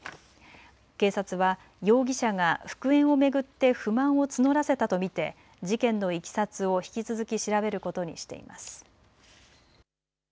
警察は容疑者が復縁を巡って不満を募らせたと見て事件のいきさつを引き続き調べることにしています。